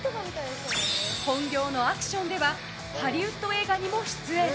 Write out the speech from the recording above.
本業のアクションではハリウッド映画にも出演。